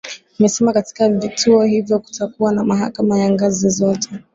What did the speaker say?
Amesema katika vituo hivyo kutakuwa na mahakama za ngazi zote